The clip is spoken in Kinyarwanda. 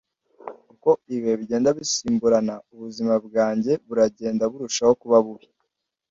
Uko ibihe bigenda bisimburana, ubuzima bwanjye buragenda burushaho kuba bubi.